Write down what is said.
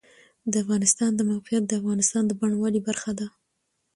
د افغانستان د موقعیت د افغانستان د بڼوالۍ برخه ده.